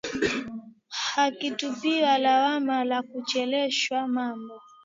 akitupiwa lawama la kuchelewesha mambo